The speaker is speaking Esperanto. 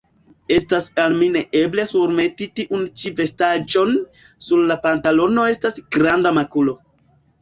Estas al mi neeble surmeti tiun ĉi vestaĵon; sur la pantalono estas granda makulo.